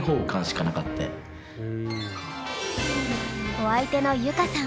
お相手の結香さん。